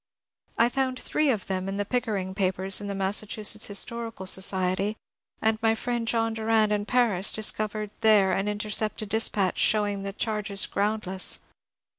I found three of them in the Pickering papers in the Massachusetts Historical Society, and my friend John Durand in Paris discovered there an unintercepted dispatch showing the charges groundless.